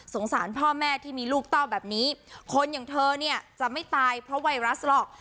สารพ่อแม่ที่มีลูกเต้าแบบนี้คนอย่างเธอเนี่ยจะไม่ตายเพราะไวรัสหรอก